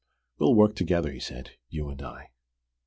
"We'll work together," he said, "you and I.